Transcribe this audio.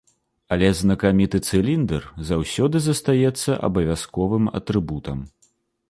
Але знакаміты цыліндр заўсёды застаецца абавязковым атрыбутам.